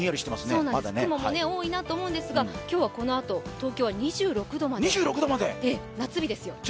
雲も多いなと思うんですが、今日はこのあと、東京は２６度まで、夏日ですよ。